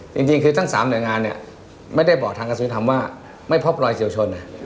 จริงคือทั้ง๓หน่วยงานเนี่ยไม่ได้บอกทางกระทรวงธรรมว่าไม่พบรอยเฉียวชน